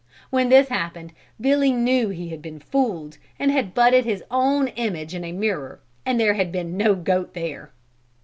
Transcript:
When this happened Billy knew he had been fooled and had butted his own image in a mirror and that there had been no goat there.